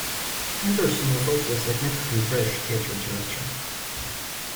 Anderson was also a significant British theatre director.